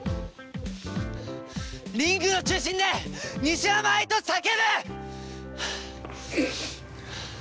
リングの中心で「西山愛」と叫ぶ！